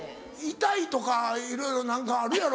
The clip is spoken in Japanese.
痛いとかいろいろ何かあるやろ。